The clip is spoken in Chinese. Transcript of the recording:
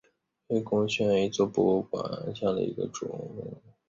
康提尼博物馆是位于法国马赛的一座博物馆。